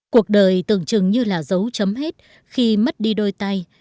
cuộc đời tưởng chừng như là dấu chấm hết khi mất đi đôi tay